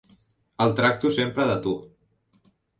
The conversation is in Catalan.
El tracto sempre de tu.